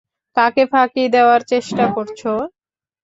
কাকে ফাঁকি দেয়ার চেষ্টা করছো?